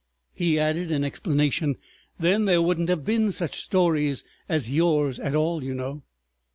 He added in explanation, "Then there wouldn't have been such stories as yours at all, you know.